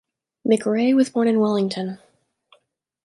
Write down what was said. McRae was born in Wellington.